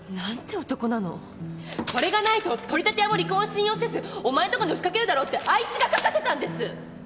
「これがないと取り立て屋も離婚を信用せずお前んとこに押しかけるだろう」ってあいつが書かせたんです！